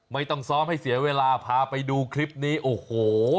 ไม่ต้องซ้อมให้เสียเวลาพาไปดูคลิปนี้โอ้โห